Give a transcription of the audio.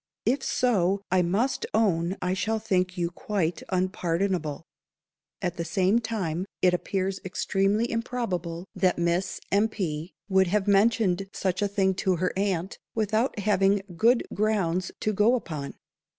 _ If so, I must own I shall think you quite unpardonable. At the same time, it _appears _extremely improbable that Miss M'P. would have mentioned such a thing to her _aunt,_without having good grounds to go upon.